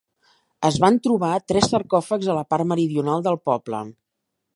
Es van trobar tres sarcòfags a la part meridional del poble.